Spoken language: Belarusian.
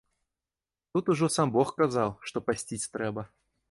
Тут ужо сам бог казаў, што пасціць трэба.